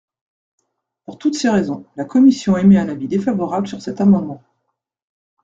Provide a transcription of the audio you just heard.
Pour toutes ces raisons, la commission émet un avis défavorable sur cet amendement.